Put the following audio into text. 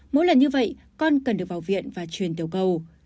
mỗi lần như vậy con cần được vào viện và truyền tiểu cầu